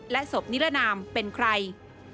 ศพนิรนามเป็นใคร